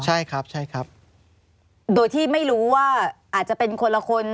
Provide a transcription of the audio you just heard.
ใช่ครับใช่ครับโดยที่ไม่รู้ว่าอาจจะเป็นคนละคน